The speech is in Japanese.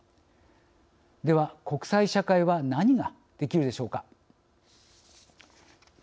では国際社会は何ができるでしょうか。